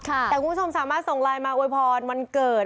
แต่คุณผู้ชมสามารถส่งไลน์มาอวยพรวันเกิด